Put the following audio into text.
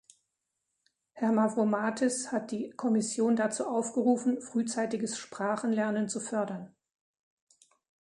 Herr Mavrommatis hat die Kommission dazu aufgerufen, frühzeitiges Sprachenlernen zu fördern.